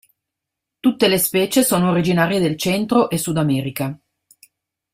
Tutte le specie sono originarie del Centro e Sudamerica.